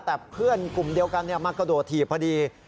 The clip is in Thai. แต่เพื่อนกลุ่มเดียวกันมากระโดดถีบพอดี